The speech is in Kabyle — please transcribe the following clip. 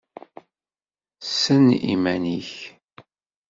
Ssen iman-ik!